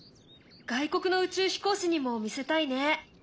外国の宇宙飛行士にも見せたいね。